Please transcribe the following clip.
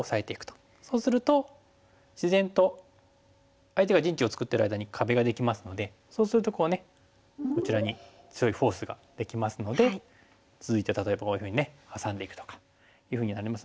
そうすると自然と相手が陣地を作ってる間に壁ができますのでそうするとこうねこちらに強いフォースができますので続いて例えばこういうふうにねハサんでいくとかいうふうになりますね。